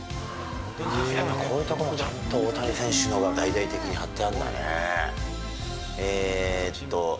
やっぱこういうとこも、ちゃんと大谷選手のが大々的に貼ってあるんだね。